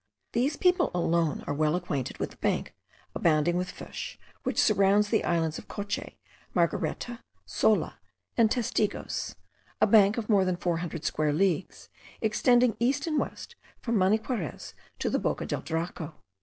These people alone are well acquainted with the bank abounding with fish, which surrounds the islands of Coche, Margareta, Sola, and Testigos; a bank of more than four hundred square leagues, extending east and west from Maniquarez to the Boca del Draco.